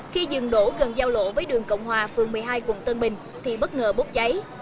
khi dừng đổ gần giao lộ với đường cộng hòa phường một mươi hai quận tân bình thì bất ngờ bốc cháy